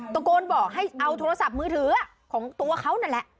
ตะโกนบอกให้เอาโทรศัพท์มือถือของตัวเขานั่นแหละ